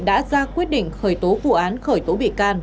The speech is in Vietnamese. đã ra quyết định khởi tố vụ án khởi tố bị can